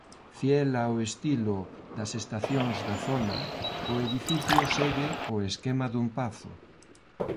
Fiel ao estilo das estacións da zona o edificio segue o esquema dun pazo.